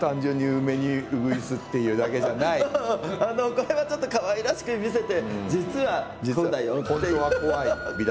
これはちょっとかわいらしく見せて実はこうだよっていう。